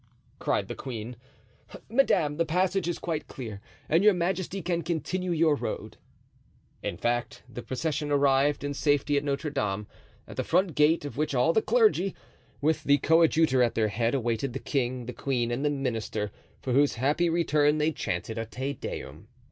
cried the queen. "Madame, the passage is quite clear and your majesty can continue your road." In fact, the procession arrived, in safety at Notre Dame, at the front gate of which all the clergy, with the coadjutor at their head, awaited the king, the queen and the minister, for whose happy return they chanted a Te Deum.